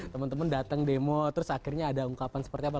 teman teman datang demo terus akhirnya ada ungkapan seperti apa